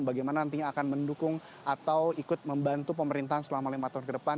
bagaimana nantinya akan mendukung atau ikut membantu pemerintahan selama lima tahun ke depan